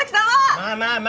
まあまあまあ。